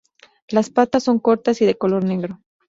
Las patas son cortas y de color negro.